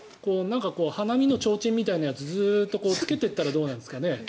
花見のちょうちんみたいなやつずっとつけていったらどうですかね。